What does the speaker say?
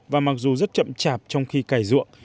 và mặc dù rất chậm chạp trong khi cài ruộng